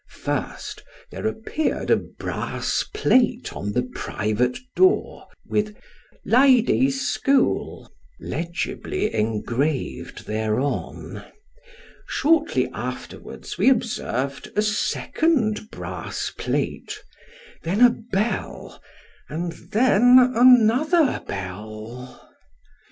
First there appeared a brass plate on the private door, with "Ladies' School " legibly engraved thereon ; shortly afterwards we observed a second brass plate, then a bell, and then another bell.